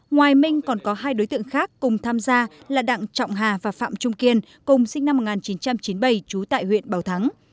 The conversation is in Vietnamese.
ngoài minh còn có hai đối tượng khác cùng tham gia là đặng trọng hà và phạm trung kiên cùng sinh năm một nghìn chín trăm chín mươi bảy trú tại huyện bảo thắng